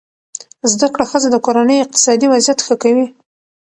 زده کړه ښځه د کورنۍ اقتصادي وضعیت ښه کوي.